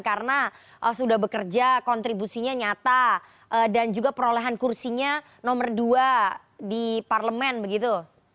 karena sudah bekerja kontribusinya nyata dan juga perolehan kursinya nomor dua di parlemen begitu